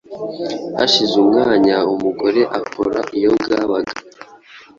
Hashize umwanya, umugore akora iyo bwabaga,